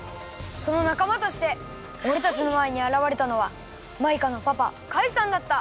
そのなかまとしておれたちのまえにあらわれたのはマイカのパパカイさんだった！